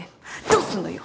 どうすんのよ！